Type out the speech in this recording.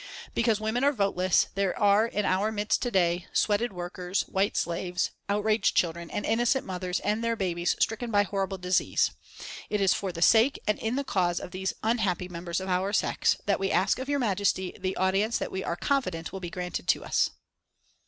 "Because women are voteless, there are in our midst to day sweated workers, white slaves, outraged children, and innocent mothers and their babes stricken by horrible disease. It is for the sake and in the cause of these unhappy members of our sex, that we ask of Your Majesty the audience that we are confident will be granted to us."